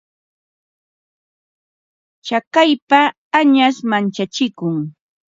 Tsakaypa añash manchachikun.